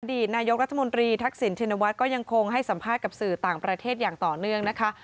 ตนายกรัฐมนตรีทักษิณชินวัฒน์ก็ยังคงให้สัมภาษณ์กับสื่อต่างประเทศอย่างต่อเนื่องนะคะ